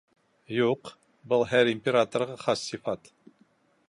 Юҡ, был һәр императорға хас сифат.